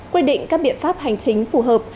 quy định các biện pháp hành chính phù hợp